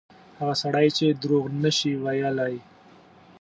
هغه سړی چې دروغ نه شي ویلای.